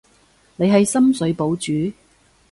你喺深水埗住？